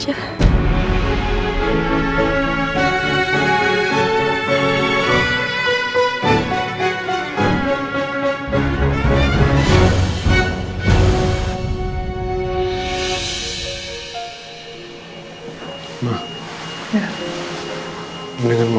jadi kita mesti bangkit dengan ini